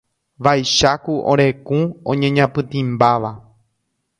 Vaicháku ore kũ oñeñapytĩmbáva.